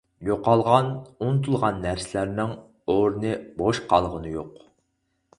يوقالغان، ئۇنتۇلغان نەرسىلەرنىڭ ئورنى بوش قالغىنى يوق.